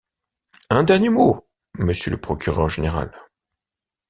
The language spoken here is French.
Un dernier mot, monsieur le procureur général.